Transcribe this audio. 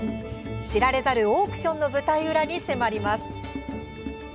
知られざるオークションの舞台裏に迫ります。